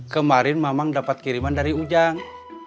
kemarin memang dapat kiriman dari ujang